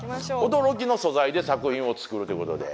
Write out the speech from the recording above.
驚きの素材で作品を作るということで。